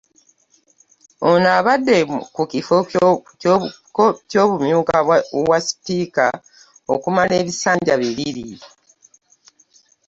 Ono abadde ku kifo ky’omumyuka wa Sipiika okumala ebisanja bibiri